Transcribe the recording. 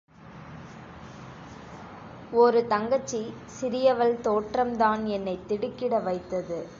ஒரு தங்கச்சி, சிறியவள் தோற்றம் தான் என்னைத் திடுக்கிட வைத்தது.